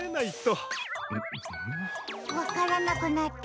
わからなくなったんだ。